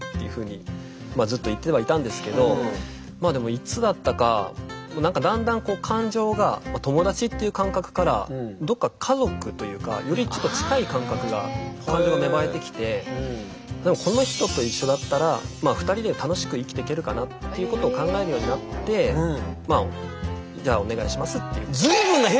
いつだったか何かだんだんこう感情が友達っていう感覚からどっか家族というかよりちょっと近い感覚が感情が芽生えてきてでもこの人と一緒だったらまあ２人で楽しく生きていけるかなっていうことを考えるようになってじゃあお願いしますっていう。